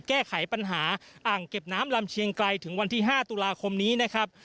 แก้ไขปัญหาอ่างเก็บน้ำลำเชียงไกลถึงวันที่๕ตุลาคมนี้นะครับ